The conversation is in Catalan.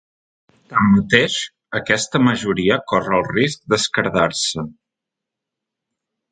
Tanmateix, aquesta majoria corre el risc d’esquerdar-se.